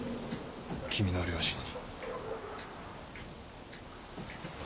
君の両親に。